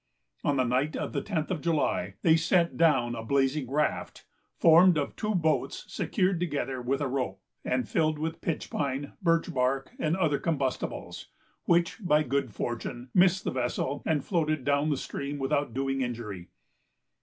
On the night of the tenth of July, they sent down a blazing raft, formed of two boats, secured together with a rope, and filled with pitch pine, birch bark, and other combustibles, which, by good fortune, missed the vessel, and floated down the stream without doing injury.